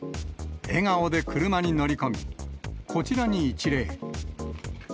笑顔で車に乗り込み、こちらに一礼。